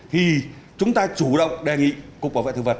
thì chúng ta chủ động đề nghị cục bảo vệ thực vật